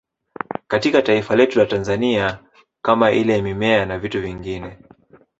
Katika taifa letu la Tanzania kama ile mimea na vitu vingine